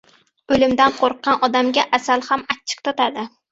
• O‘limdan qo‘rqqan odamga asal ham achchiq totadi.